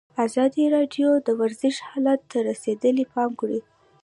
ازادي راډیو د ورزش حالت ته رسېدلي پام کړی.